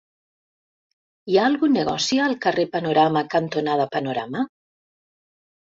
Hi ha algun negoci al carrer Panorama cantonada Panorama?